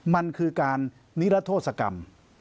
มันคือการนิรโทษกรรม